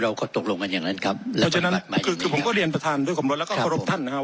เราก็ตกลงกันอย่างนั้นครับคือผมก็เรียนประธานด้วยกำลังแล้วก็รับท่านนะครับ